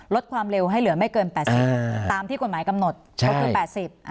ลดความเร็วให้เหลือไม่เกินแปดสิบห้าตามที่กฎหมายกำหนดก็คือแปดสิบ